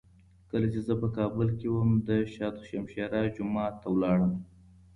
کله چي زه په کابل کي وم، د شاه دو شمشېره جومات ته لاړم.